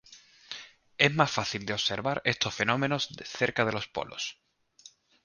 Es más fácil de observar estos fenómenos cerca de los polos.